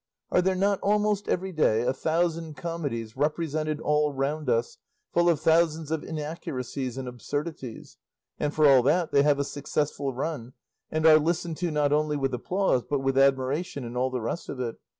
Are there not almost every day a thousand comedies represented all round us full of thousands of inaccuracies and absurdities, and, for all that, they have a successful run, and are listened to not only with applause, but with admiration and all the rest of it?